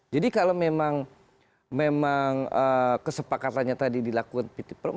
jadi kalau memang kesepakatannya tadi dilakukan pt pro